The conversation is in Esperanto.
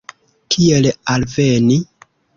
Kiel alveni?